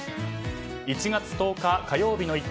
１月１０日火曜日の「イット！」